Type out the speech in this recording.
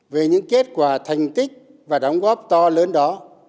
về những kết quả thành tích và đóng góp to lớn đó